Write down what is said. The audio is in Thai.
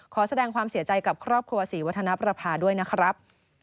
ขอแสดงความเสียใจกับครอบครัวศรีวัฒนประพาด้วยนะครับ